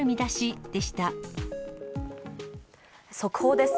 速報です。